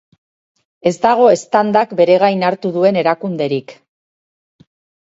Ez dago eztandak bere gain hartu duen erakunderik.